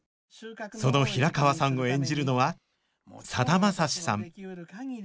その平川さんを演じるのはさだまさしさん